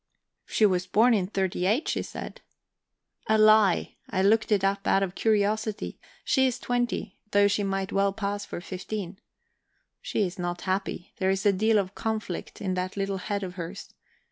"She was born in '38, she said." "A lie. I looked it up, out of curiosity. She's twenty, though she might well pass for fifteen. She is not happy; there's a deal of conflict in that little head of hers.